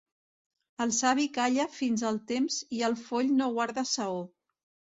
El savi calla fins al temps i el foll no guarda saó.